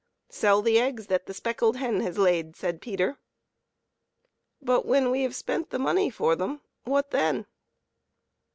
" Sell the eggs that the speckled hen has laid," said Peter. " But when we have spent the money for them, what then